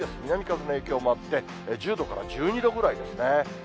南風の影響もあって、１０度から１２度ぐらいですね。